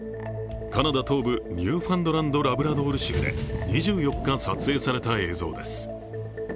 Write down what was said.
カナダ東部、ニューファンドランド・ラブラドール州で２４日、撮影された映像です。